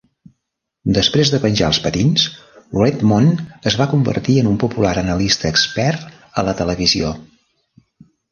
Després de penjar els patins, Redmond es va convertir en un popular analista expert a la televisió.